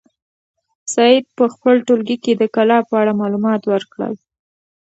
سعید په خپل ټولګي کې د کلا په اړه معلومات ورکړل.